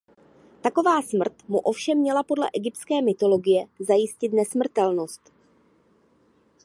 Taková smrt mu ovšem měla podle egyptské mytologie zajistit nesmrtelnost.